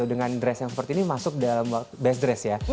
dengan dress yang seperti ini masuk dalam best dress ya